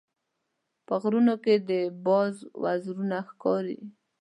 په غرونو کې د باز وزرونه ښکاري.